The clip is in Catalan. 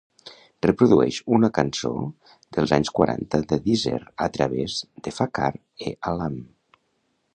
Reprodueix una cançó dels anys quaranta de Deezer a través de Fakhar-e-alam.